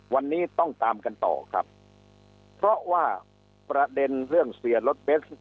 วันนี้ต้องตามกันต่อครับเพราะว่าประเด็นเรื่องเสียรถเบนส์